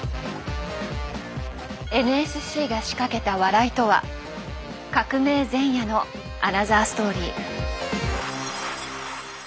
ＮＳＣが仕掛けた笑いとは革命前夜のアナザーストーリー。